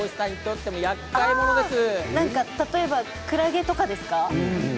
例えばくらげとかですか。